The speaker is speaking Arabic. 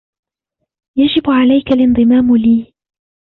يجب عليك الانضمام لي.